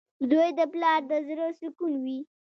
• زوی د پلار د زړۀ سکون وي.